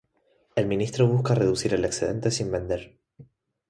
El ministro busca reducir el excedente sin vender.